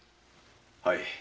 はい。